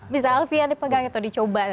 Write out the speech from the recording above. bisa alfie yang dipegang atau dicoba